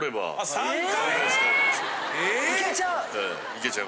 いけちゃう？